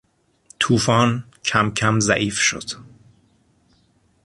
توفان کمکم ضعیف شد.